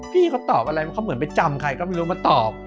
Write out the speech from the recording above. พี่เขาตอบอะไรเขาเหมือนไปจำใครก็ไม่รู้มาตอบ